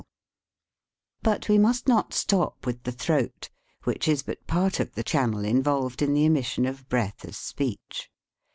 21 1 THE SPEAKING VOICE But we must not stop with the throat, which is but part of the channel involved in the emission of breath as speech.